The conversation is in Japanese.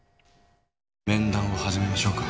面談を始めましょうか。